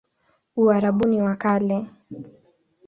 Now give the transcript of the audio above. Uarabuni wa Kale